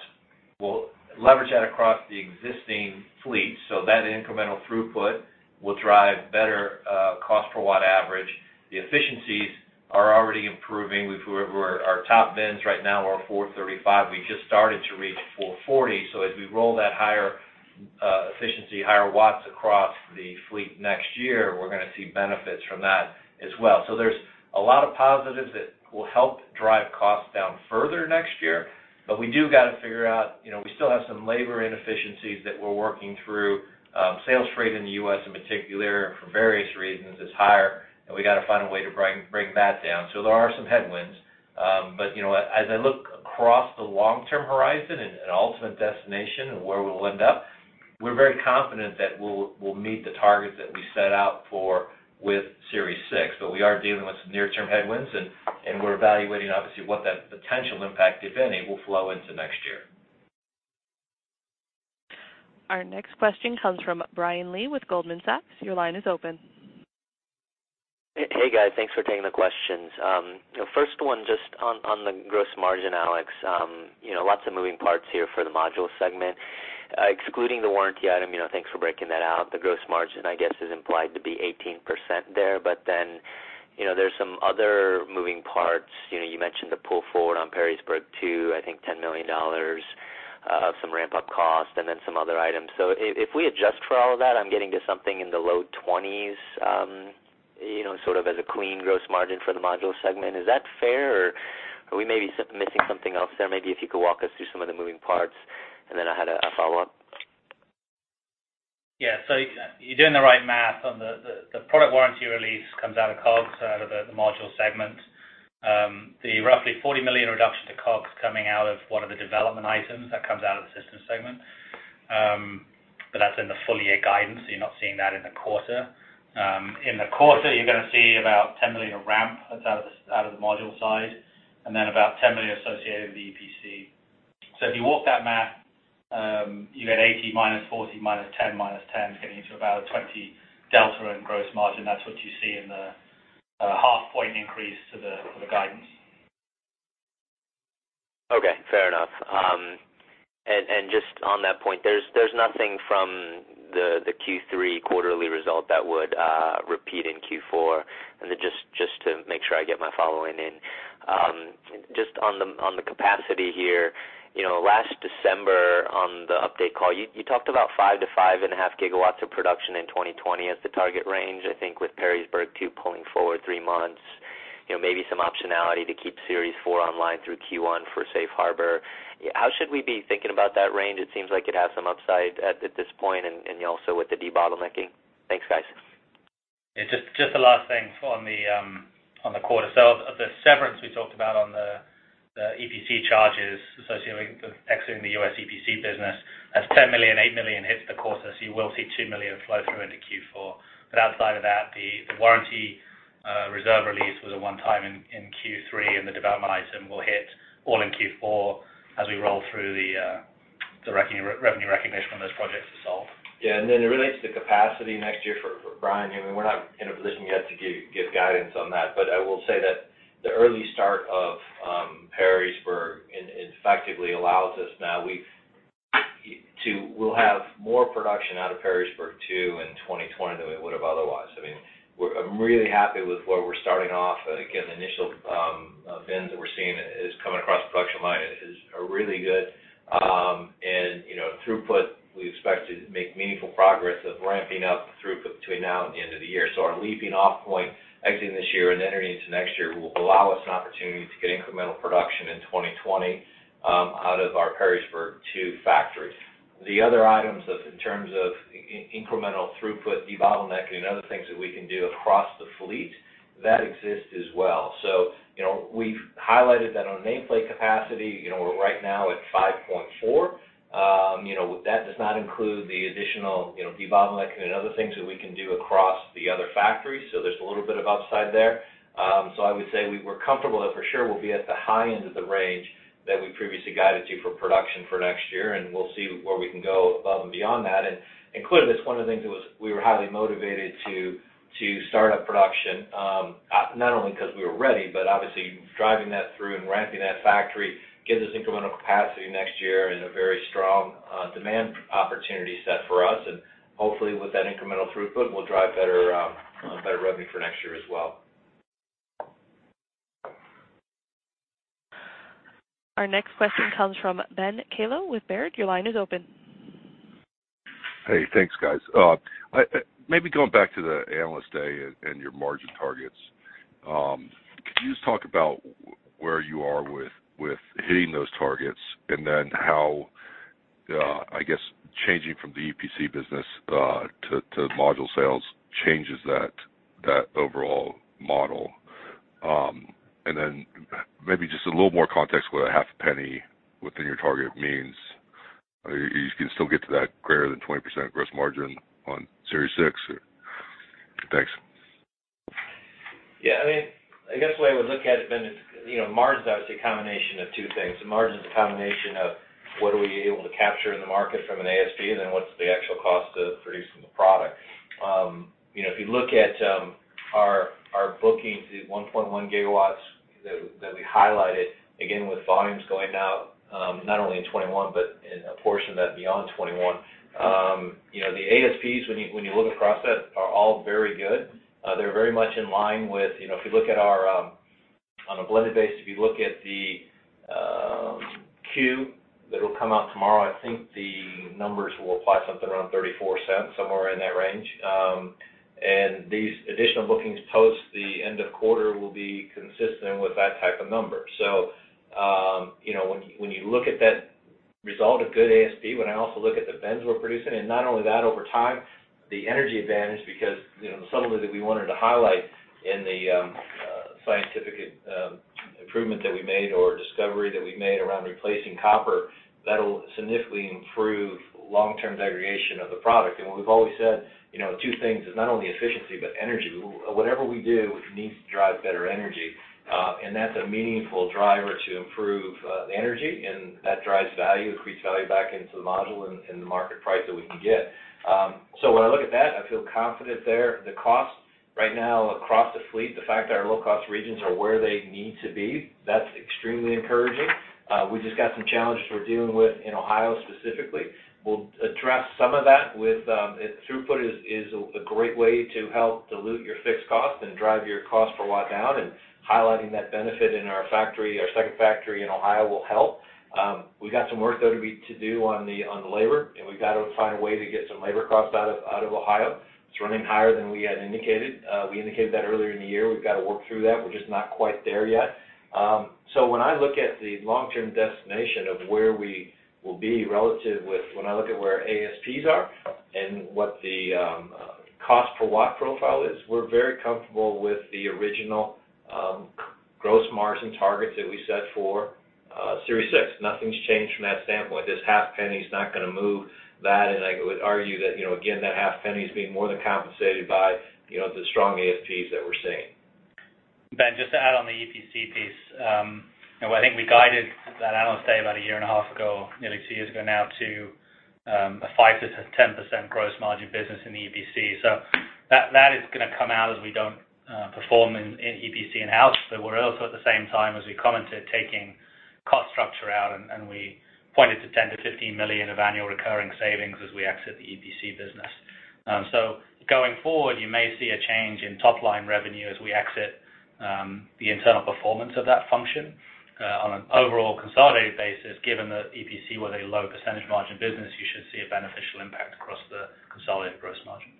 We'll leverage that across the existing fleet so that incremental throughput will drive better cost per watt average. The efficiencies are already improving. Our top bins right now are 435. We just started to reach 440. As we roll that higher efficiency, higher watts across the fleet next year, we're going to see benefits from that as well. There's a lot of positives that will help drive costs down further next year. We do got to figure out, we still have some labor inefficiencies that we're working through. Sales freight in the U.S., in particular, for various reasons, is higher, and we got to find a way to bring that down. There are some headwinds. As I look across the long-term horizon and ultimate destination of where we'll end up, we're very confident that we'll meet the targets that we set out for with Series 6. We are dealing with some near-term headwinds, and we're evaluating, obviously, what that potential impact, if any, will flow into next year. Our next question comes from Brian Lee with Goldman Sachs. Your line is open. Hey, guys. Thanks for taking the questions. First one, just on the gross margin, Alex. Lots of moving parts here for the module segment. Excluding the warranty item, thanks for breaking that out. The gross margin, I guess, is implied to be 18% there. There's some other moving parts. You mentioned the pull forward on Perrysburg 2, I think $10 million of some ramp-up cost and then some other items. If we adjust for all of that, I'm getting to something in the low 20s, sort of as a clean gross margin for the module segment. Is that fair or are we maybe missing something else there? Maybe if you could walk us through some of the moving parts, and then I had a follow-up. Yeah. You're doing the right math on the product warranty release comes out of COGS out of the module segment. The roughly $40 million reduction to COGS coming out of one of the development items that comes out of the system segment. That's in the full-year guidance, so you're not seeing that in the quarter. In the quarter, you're going to see about $10 million of ramp that's out of the module side, and then about $10 million associated with EPC. If you walk that math, you get 80 minus 40 minus 10, minus 10, getting you to about a 20 delta in gross margin. That's what you see in the half point increase to the guidance. Okay, fair enough. Just on that point, there's nothing from the Q3 quarterly result that would repeat in Q4? Just to make sure I get my following in. Just on the capacity here. Last December on the update call, you talked about 5 to 5.5 gigawatts of production in 2020 as the target range. I think with Perrysburg 2 pulling forward 3 months, maybe some optionality to keep Series 4 online through Q1 for safe harbor. How should we be thinking about that range? It seems like it has some upside at this point and also with the debottlenecking. Thanks, guys. The last thing on the quarter. The severance we talked about on the EPC charges associated with exiting the U.S. EPC business. That's $10 million, $8 million hits the quarter. You will see $2 million flow through into Q4. Outside of that, the warranty reserve release was a one-time in Q3, and the development item will hit all in Q4 as we roll through the revenue recognition when those projects are solved. Yeah, it relates to capacity next year for Brian. We're not in a position yet to give guidance on that, but I will say that the early start of Perrysburg effectively allows us now, we'll have more production out of Perrysburg 2 in 2020 than we would have otherwise. I'm really happy with where we're starting off. The initial bins that we're seeing is coming across the production line is really good. Throughput, we expect to make meaningful progress of ramping up throughput between now and the end of the year. Our leaping off point exiting this year and entering into next year will allow us an opportunity to get incremental production in 2020 out of our Perrysburg 2 factories. The other items in terms of incremental throughput, debottlenecking, other things that we can do across the fleet, that exist as well. We've highlighted that on nameplate capacity, we're right now at 5.4. That does not include the additional debottlenecking and other things that we can do across the other factories, so there's a little bit of upside there. I would say we're comfortable that for sure we'll be at the high end of the range that we previously guided you for production for next year, we'll see where we can go above and beyond that. Clearly, that's one of the things that we were highly motivated to start up production, not only because we were ready, but obviously driving that through and ramping that factory gives us incremental capacity next year and a very strong demand opportunity set for us. Hopefully with that incremental throughput, we'll drive better revenue for next year as well. Our next question comes from Ben Kallo with Baird. Your line is open. Hey, thanks guys. Maybe going back to the Analyst Day and your margin targets, could you just talk about where you are with hitting those targets and then how, I guess, changing from the EPC business to module sales changes that overall model. Maybe just a little more context what a half penny within your target means. You can still get to that greater than 20% gross margin on Series 6? Thanks. Yeah, I guess the way I would look at it, Ben, is margin's obviously a combination of two things. The margin's a combination of what are we able to capture in the market from an ASP, and then what's the actual cost of producing the product. If you look at our bookings, the 1.1 gigawatts that we highlighted, again, with volumes going out not only in 2021 but in a portion of that beyond 2021. The ASPs, when you look across that, are all very good. They're very much in line with, on a blended basis, if you look at the Q that'll come out tomorrow, I think the numbers will apply something around $0.34, somewhere in that range. These additional bookings post the end of quarter will be consistent with that type of number. When you look at that result, a good ASP. When I also look at the bends we're producing, not only that over time, the energy advantage because, the subtlety that we wanted to highlight in the scientific improvement that we made or discovery that we've made around replacing copper, that'll significantly improve long-term degradation of the product. What we've always said, two things, is not only efficiency, but energy. Whatever we do, it needs to drive better energy. That's a meaningful driver to improve the energy, and that drives value, increased value back into the module and the market price that we can get. When I look at that, I feel confident there. The cost right now across the fleet, the fact that our low-cost regions are where they need to be, that's extremely encouraging. We've just got some challenges we're dealing with in Ohio specifically. We'll address some of that with, throughput is a great way to help dilute your fixed cost and drive your cost per watt down and highlighting that benefit in our factory, our second factory in Ohio will help. We've got some work, though, to do on the labor, and we've got to find a way to get some labor costs out of Ohio. It's running higher than we had indicated. We indicated that earlier in the year. We've got to work through that. We're just not quite there yet. When I look at the long-term destination of where we will be relative with when I look at where ASPs are and what the cost per watt profile is, we're very comfortable with the original gross margin targets that we set for Series 6. Nothing's changed from that standpoint. This half penny's not going to move that. I would argue that, again, that $0.005 is being more than compensated by the strong ASPs that we're seeing. Ben, just to add on the EPC piece. I think we guided that, I want to say about a year and a half ago, nearly two years ago now, to a 5%-10% gross margin business in the EPC. That is going to come out as we don't perform in EPC in-house. We're also, at the same time, as we commented, taking cost structure out, and we pointed to $10 million-$15 million of annual recurring savings as we exit the EPC business. Going forward, you may see a change in top-line revenue as we exit the internal performance of that function. On an overall consolidated basis, given that EPC was a low percentage margin business, you should see a beneficial impact across the consolidated gross margin.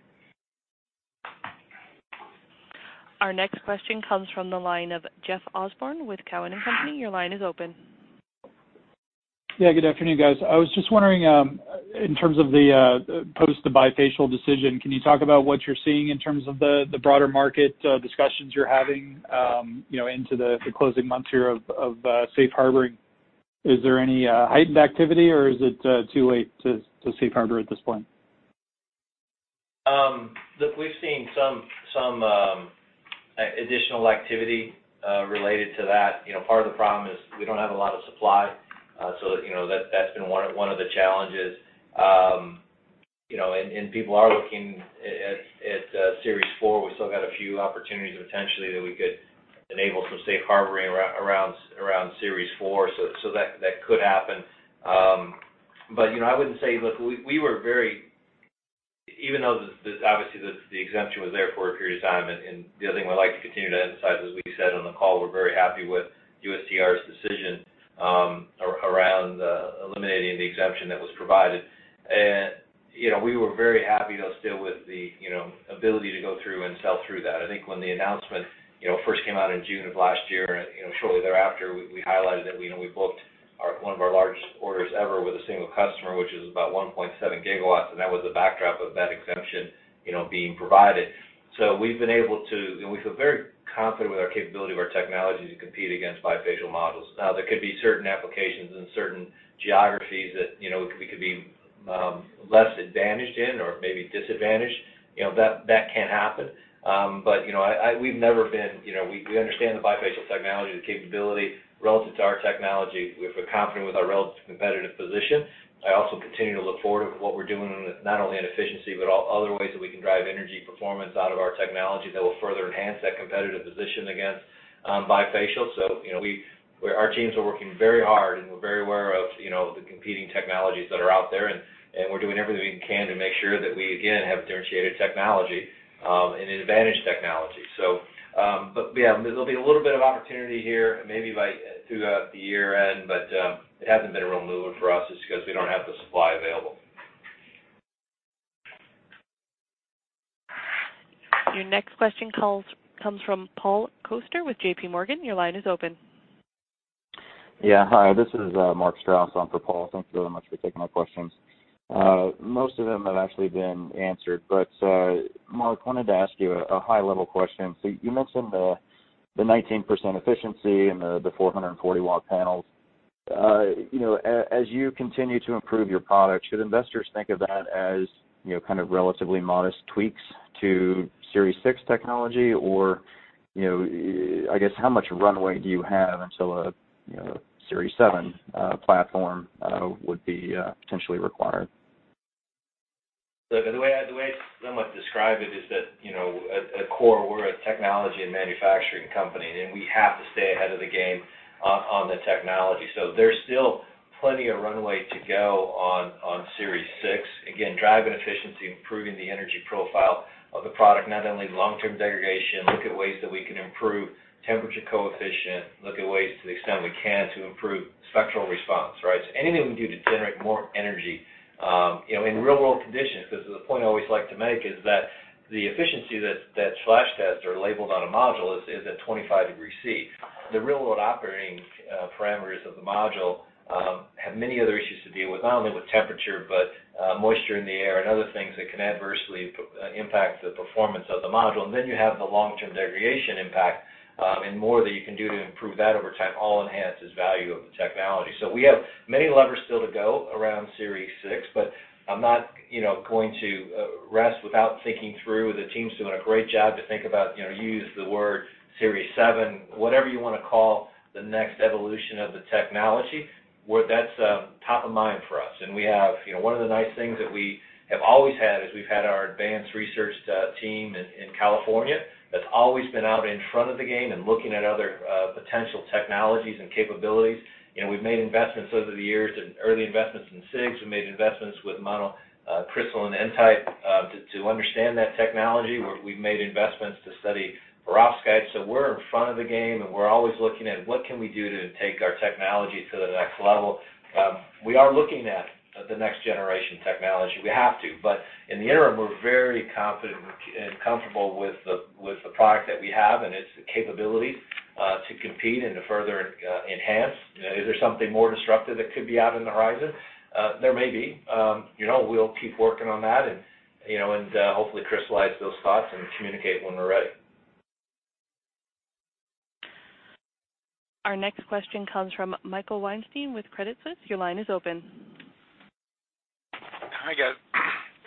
Our next question comes from the line of Jeff Osborne with Cowen and Company. Your line is open. Good afternoon, guys. I was just wondering, in terms of the post the bifacial decision, can you talk about what you're seeing in terms of the broader market discussions you're having into the closing months here of safe harboring? Is there any heightened activity or is it too late to safe harbor at this point? Look, we've seen some additional activity related to that. Part of the problem is we don't have a lot of supply. That's been one of the challenges. People are looking at Series 4. We've still got a few opportunities potentially that we could enable some safe harboring around Series 4. That could happen. Look, even though obviously the exemption was there for a period of time, the other thing we'd like to continue to emphasize, as we said on the call, we're very happy with USTR's decision around eliminating the exemption that was provided. We were very happy though, still with the ability to go through and sell through that. I think when the announcement first came out in June of last year, shortly thereafter, we highlighted that we booked one of our largest orders ever with a single customer, which is about 1.7 gigawatts, and that was the backdrop of that exemption being provided. We feel very confident with our capability of our technology to compete against bifacial modules. There could be certain applications and certain geographies that we could be less advantaged in or maybe disadvantaged. That can happen. We understand the bifacial technology, the capability relative to our technology. We feel confident with our relative competitive position. I also continue to look forward with what we're doing, not only in efficiency, but other ways that we can drive energy performance out of our technology that will further enhance that competitive position against bifacial. Our teams are working very hard, and we're very aware of the competing technologies that are out there, and we're doing everything we can to make sure that we, again, have differentiated technology and advantage technology. Yeah, there'll be a little bit of opportunity here maybe throughout the year-end, but it hasn't been a real mover for us. It's because we don't have the supply available. Your next question comes from Paul Coster with JP Morgan. Your line is open. Yeah. Hi, this is Mark Strouse on for Paul. Thank you very much for taking my questions. Most of them have actually been answered. Mark, wanted to ask you a high-level question. You mentioned the 19% efficiency and the 440-watt panels. As you continue to improve your product, should investors think of that as kind of relatively modest tweaks to Series 6 technology? I guess, how much runway do you have until a Series 7 platform would be potentially required? Look, the way I'd somewhat describe it is that, at core, we're a technology and manufacturing company, and we have to stay ahead of the game on the technology. There's still plenty of runway to go on Series 6. Again, driving efficiency, improving the energy profile of the product, not only long-term degradation, look at ways that we can improve temperature coefficient, look at ways to the extent we can to improve spectral response, right? Anything we can do to generate more energy, in real-world conditions, because the point I always like to make is that the efficiency that flash tests are labeled on a module is at 25 degrees Celsius. The real-world operating parameters of the module have many other issues to deal with, not only with temperature, but moisture in the air and other things that can adversely impact the performance of the module. You have the long-term degradation impact, and more that you can do to improve that over time all enhances value of the technology. We have many levers still to go around Series 6, but I'm not going to rest without thinking through. The team's doing a great job to think about, you used the word Series 7, whatever you want to call the next evolution of the technology, well, that's top of mind for us. One of the nice things that we have always had is we've had our advanced research team in California that's always been out in front of the game and looking at other potential technologies and capabilities. We've made investments over the years in early investments in CIGS. We've made investments with monocrystalline N-type to understand that technology. We've made investments to study perovskite. We're in front of the game, and we're always looking at what can we do to take our technology to the next level. We are looking at the next-generation technology. We have to. In the interim, we're very confident and comfortable with the product that we have and its capability to compete and to further enhance. Is there something more disruptive that could be out in the horizon? There may be. We'll keep working on that and hopefully crystallize those thoughts and communicate when we're ready. Our next question comes from Michael Weinstein with Credit Suisse. Your line is open.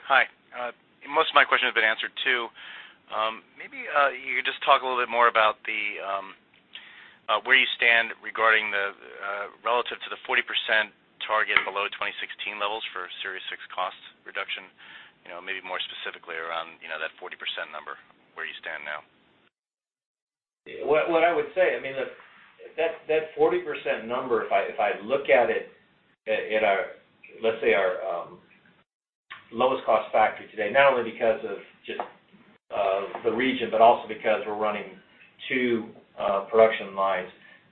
Hi. Most of my question has been answered, too. Maybe you could just talk a little bit more about where you stand relative to the 40% target below 2016 levels for Series 6 cost reduction, maybe more specifically around that 40% number, where you stand now. What I would say, that 40% number, if I look at it at, let's say our lowest cost factory today, not only because of just the region, but also because we're running two production lines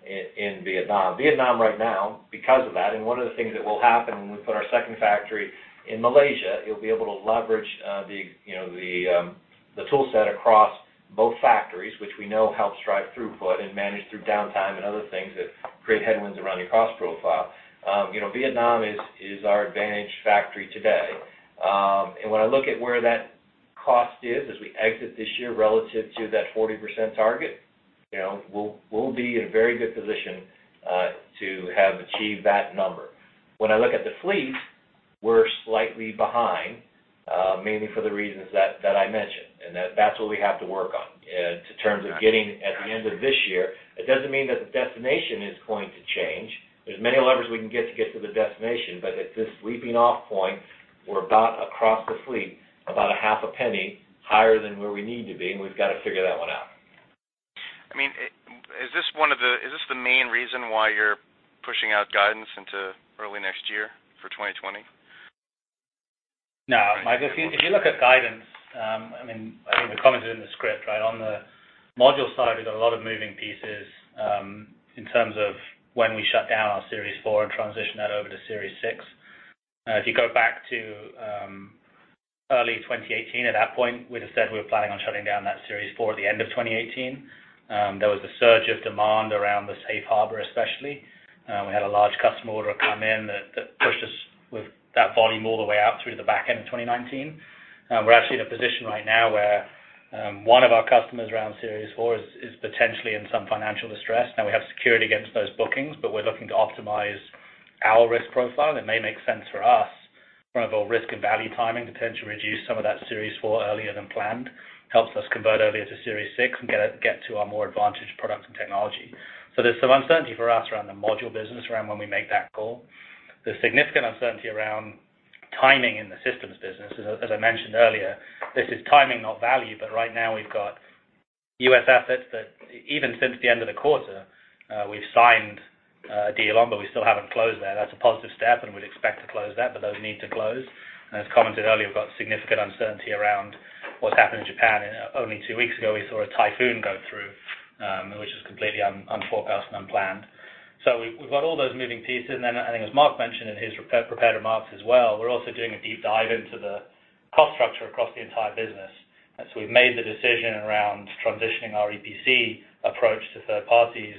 in Vietnam. Vietnam right now, because of that, and one of the things that will happen when we put our second factory in Malaysia, you'll be able to leverage the tool set across both factories, which we know helps drive throughput and manage through downtime and other things that create headwinds around your cost profile. Vietnam is our advantage factory today. When I look at where that cost is as we exit this year relative to that 40% target, we'll be in a very good position to have achieved that number. When I look at the fleet, we're slightly behind, mainly for the reasons that I mentioned, and that's what we have to work on in terms of getting at the end of this year. It doesn't mean that the destination is going to change. There's many levers we can get to get to the destination. At this leaping off point, we're about across the fleet, about a half a penny higher than where we need to be, and we've got to figure that one out. Is this the main reason why you're pushing out guidance into early next year for 2020? No, Michael, if you look at guidance, the comments are in the script. Module side is a lot of moving pieces in terms of when we shut down our Series 4 and transition that over to Series 6. If you go back to early 2018, at that point, we'd have said we were planning on shutting down that Series 4 at the end of 2018. There was the surge of demand around the safe harbor especially. We had a large customer order come in that pushed us with that volume all the way out through the back end of 2019. We're actually in a position right now where one of our customers around Series 4 is potentially in some financial distress. Now we have security against those bookings, but we're looking to optimize our risk profile. It may make sense for us from a risk and value timing to potentially reduce some of that Series 4 earlier than planned. Helps us convert earlier to Series 6 and get to our more advantaged products and technology. There's some uncertainty for us around the module business, around when we make that call. There's significant uncertainty around timing in the systems business. As I mentioned earlier, this is timing, not value. Right now we've got U.S. assets that even since the end of the quarter, we've signed a deal on, but we still haven't closed there. That's a positive step and we'd expect to close that. Those need to close. As commented earlier, we've got significant uncertainty around what's happened in Japan. Only two weeks ago, we saw a typhoon go through, which is completely unforecast and unplanned. We've got all those moving pieces. I think as Mark mentioned in his prepared remarks as well, we're also doing a deep dive into the cost structure across the entire business. We've made the decision around transitioning our EPC approach to third parties.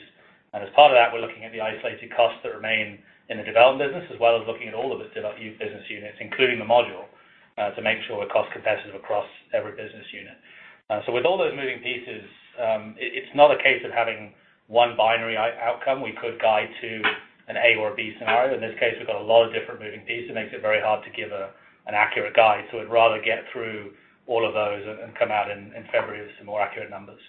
As part of that, we're looking at the isolated costs that remain in the development business, as well as looking at all of the business units, including the module, to make sure we're cost competitive across every business unit. With all those moving pieces, it's not a case of having one binary outcome. We could guide to an A or a B scenario. In this case, we've got a lot of different moving pieces. It makes it very hard to give an accurate guide. We'd rather get through all of those and come out in February with some more accurate numbers.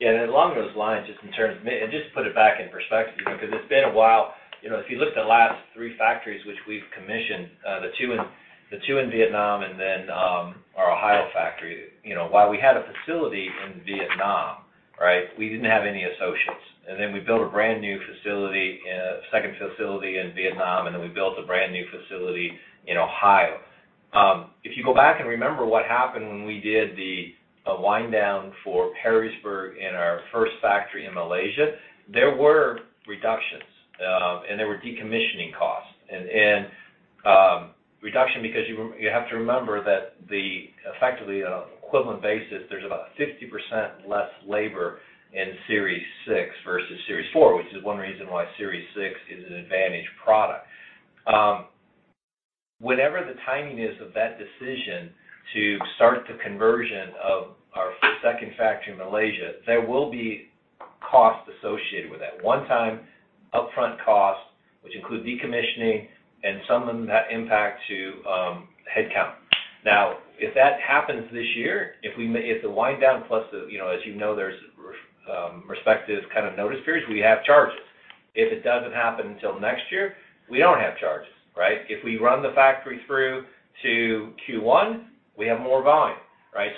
Yeah. Along those lines, just to put it back in perspective, because it's been a while. If you look at the last three factories which we've commissioned, the two in Vietnam and then our Ohio factory. While we had a facility in Vietnam, we didn't have any associates. We built a brand-new second facility in Vietnam, and then we built a brand-new facility in Ohio. If you go back and remember what happened when we did the wind down for Kulim in our first factory in Malaysia, there were reductions, and there were decommissioning costs. Reduction because you have to remember that effectively on an equivalent basis, there's about 50% less labor in Series 6 versus Series 4, which is one reason why Series 6 is an advantaged product. Whatever the timing is of that decision to start the conversion of our second factory in Malaysia, there will be costs associated with that. One-time upfront costs, which include decommissioning and some of them that impact to headcount. If that happens this year, if the wind down plus, as you know there's respective notice periods, we have charges. If it doesn't happen until next year, we don't have charges, right? If we run the factory through to Q1, we have more volume, right?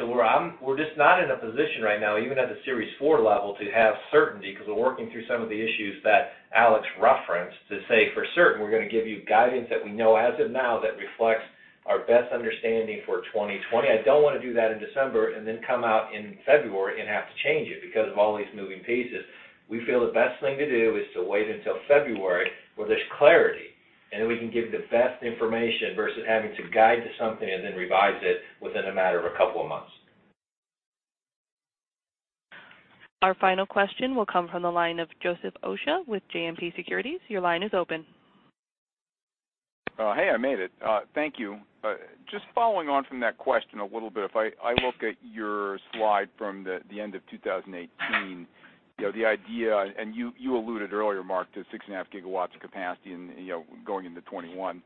We're just not in a position right now, even at the Series 4 level, to have certainty, because we're working through some of the issues that Alex referenced to say for certain we're going to give you guidance that we know as of now, that reflects our best understanding for 2020. I don't want to do that in December and then come out in February and have to change it because of all these moving pieces. We feel the best thing to do is to wait until February where there's clarity, and then we can give the best information versus having to guide to something and then revise it within a matter of a couple of months. Our final question will come from the line of Joseph Osha with JMP Securities. Your line is open. Hey, I made it. Thank you. Just following on from that question a little bit. If I look at your slide from the end of 2018, the idea, and you alluded earlier, Mark, to six and a half gigawatts of capacity going into 2021.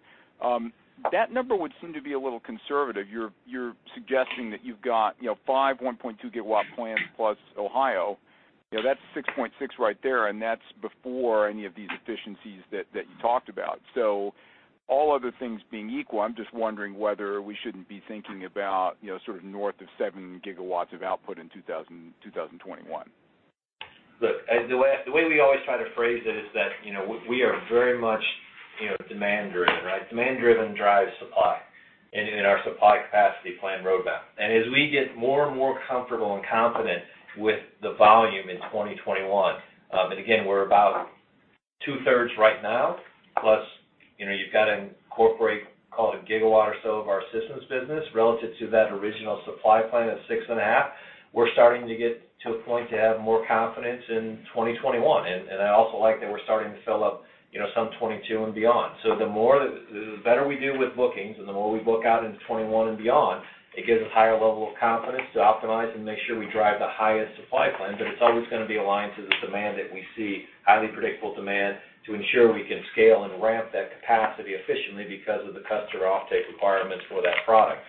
That number would seem to be a little conservative. You're suggesting that you've got five 1.2-gigawatt plants plus Ohio. That's 6.6 right there, and that's before any of these efficiencies that you talked about. All other things being equal, I'm just wondering whether we shouldn't be thinking about north of seven gigawatts of output in 2021. Look, the way we always try to phrase it is that we are very much demand-driven, right? Demand-driven drives supply in our supply capacity plan roadmap. As we get more and more comfortable and confident with the volume in 2021, again, we're about two-thirds right now, plus you've got to incorporate call it a gigawatt or so of our systems business relative to that original supply plan of six and a half. We're starting to get to a point to have more confidence in 2021. I also like that we're starting to fill up some 2022 and beyond. The better we do with bookings and the more we book out into 2021 and beyond, it gives us a higher level of confidence to optimize and make sure we drive the highest supply plan. It's always going to be aligned to the demand that we see, highly predictable demand, to ensure we can scale and ramp that capacity efficiently because of the customer offtake requirements for that product.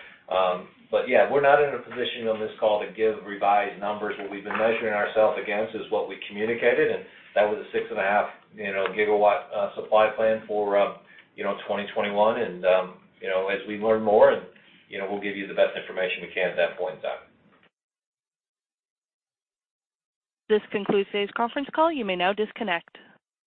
Yeah, we're not in a position on this call to give revised numbers. What we've been measuring ourselves against is what we communicated, and that was a 6.5 GW supply plan for 2021. As we learn more, we'll give you the best information we can at that point in time. This concludes today's conference call. You may now disconnect.